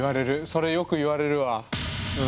それよく言われるわ。